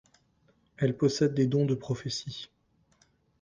Elle possède des dons de prophétie.